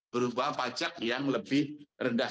berupa pajak yang lebih rendah